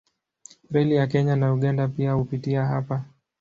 Reli ya Kenya na Uganda pia hupitia hapa.